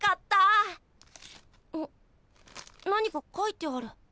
何か書いてある。